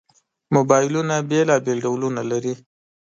موبایلونه بېلابېل ډولونه لري.